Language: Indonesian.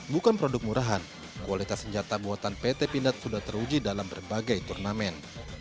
bukan produk murahan kualitas senjata buatan pt pindad sudah teruji dalam berbagai turnamen